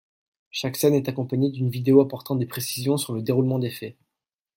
Chaque scène est accompagnée d'une vidéo apportant des précisions sur le déroulement des faits.